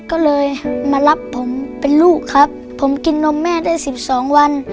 ก็เลยมารับผมเป็นลูกครับผมกินนมแม่ได้สิบสองวัน